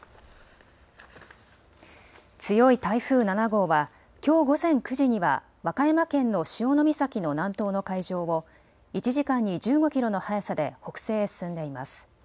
強い台風７号はきょう午前９時には和歌山県の潮岬の南東の海上を１時間に１５キロの速さで北西へ進んでいます。